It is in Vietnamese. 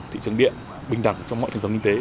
thị trường điện bình đẳng trong mọi trường hợp kinh tế